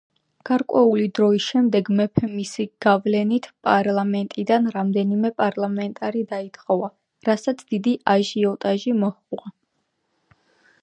გარკვეული დროის შემდეგ მეფემ მისი გავლენით პარლამენტიდან რამდენიმე პარლამენტარი დაითხოვა, რასაც დიდი აჟიოტაჟი მოჰყვა.